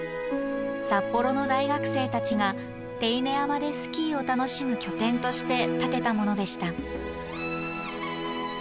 札幌の大学生たちが手稲山でスキーを楽しむ拠点として建てたものでした。